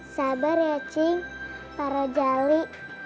sabar ya chi para jali